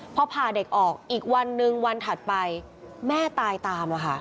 พอผ่าเด็กออกอีกวันหนึ่งวันถัดไปแม่ตายตามค่ะ